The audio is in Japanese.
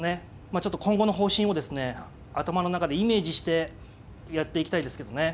まあちょっと今後の方針をですね頭の中でイメージしてやっていきたいですけどね。